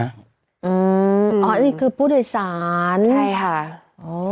อ๋ออันนี้คือผู้โดยสาร